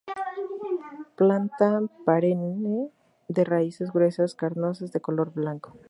Planta perenne de raíces gruesas, carnosas, de color blanco.